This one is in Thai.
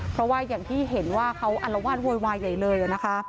เพราะว่าอย่างที่เห็นว่าเขาอัลวาดโวยวายใหญ่เลยนะคะ